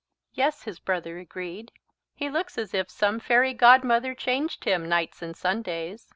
"Yes," his brother agreed. "He looks as if some fairy godmother changed him nights and Sundays."